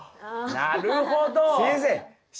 なるほど。